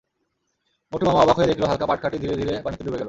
মোটুমামা অবাক হয়ে দেখল হালকা পাটকাঠি ধীরে ধীরে পানিতে ডুবে গেল।